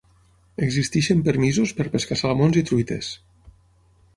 Existeixen permisos per pescar salmons i truites.